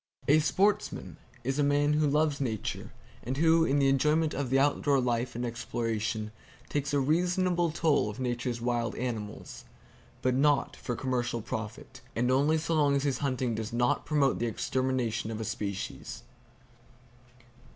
A Sportsman is a man who loves Nature, and who in the enjoyment of the outdoor life and exploration takes a reasonable toll of Nature's wild animals, but not for commercial profit, and only so long as his hunting does not promote the extermination of species.